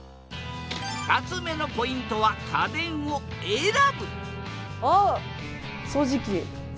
２つ目のポイントは家電を選ぶあっ掃除機。